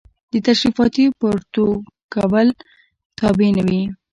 د تشریفاتي پروتوکول تابع نه وي.